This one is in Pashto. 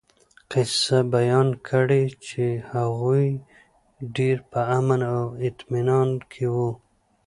قصّه بيان کړي چې هغوي ډير په امن او اطمنان کي وو